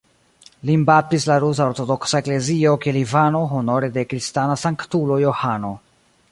Lin baptis la Rusa Ortodoksa Eklezio kiel Ivano honore de kristana sanktulo "Johano".